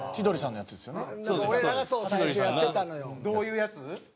どういうやつ？